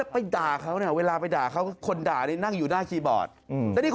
ไปด่าเขาเนี่ยเวลาไปด่าเขาคนด่านี่นั่งอยู่หน้าคีย์บอร์ด